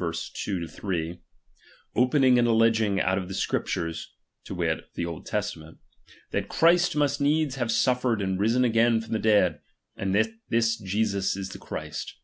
2 3) : Opening and alleging out of the Scriptures (to wit, of the Old Testament) that Christ must needs have suffered and risen again from the dead; and that this Jesus is the Christ.